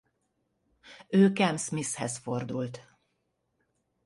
Ő Cam Smith-hez fordult.